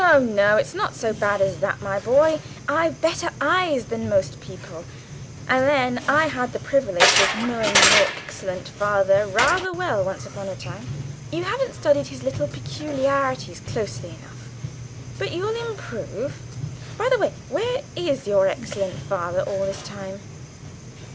"No, no; it's not so bad as that, my boy. I've better eyes than most people, and then I had the privilege of knowing your excellent father rather well once upon a time. You haven't studied his little peculiarities closely enough; but you'll improve. By the way, where is your excellent father all this time?"